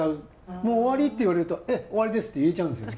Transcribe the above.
「もう終わり？」って言われると「ええ終わりです」って言えちゃうんですよね。